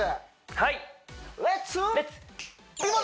はい！